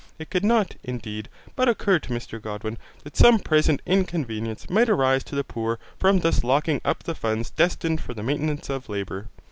It could not, indeed, but occur to Mr Godwin that some present inconvenience might arise to the poor from thus locking up the funds destined for the maintenance of labour.